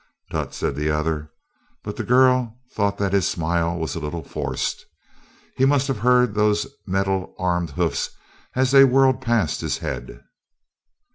"Tut!" said the other, but the girl thought that his smile was a little forced. He must have heard those metal armed hoofs as they whirred past his head.